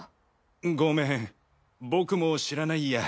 ごめん僕も知らないや。